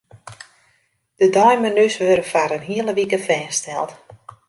De deimenu's wurde foar in hiele wike fêststeld.